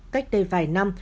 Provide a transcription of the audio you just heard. cách đây vài năm